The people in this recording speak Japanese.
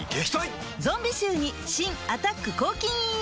ゾンビ臭に新「アタック抗菌ＥＸ」